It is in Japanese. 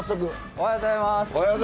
おはようございます。